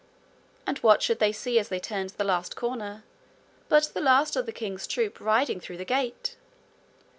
And what should they see as they turned the last corner but the last of the king's troop riding through the gate!